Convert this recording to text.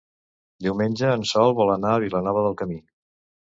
Diumenge en Sol vol anar a Vilanova del Camí.